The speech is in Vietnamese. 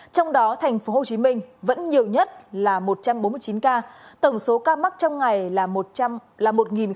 trong đó thành phố hồ chí minh vẫn nhiều nhất là một trăm bốn mươi chín ca tổng số ca mắc trong ngày là một bảy